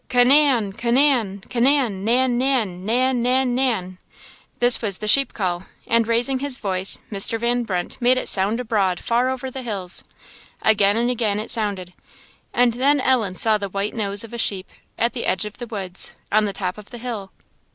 Ca nan! ca nan! ca nan, nan, nan, nan, nan, nan, nan!" This was the sheep call, and raising his voice, Mr. Van Brunt made it sound abroad far over the hills. Again and again it sounded; and then Ellen saw the white nose of a sheep, at the edge of the woods, on the top of the hill.